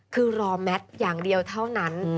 คือรอแมทอย่างเดียวเท่านั้น